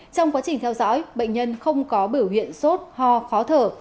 trong quá trình theo dõi bệnh nhân không có biểu hiện sốt ho khó thở